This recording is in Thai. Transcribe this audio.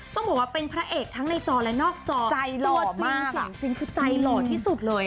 ต้องบอกว่าเป็นพระเอกทั้งในจอและนอกจอตัวจริงเสียงจริงคือใจหล่อที่สุดเลย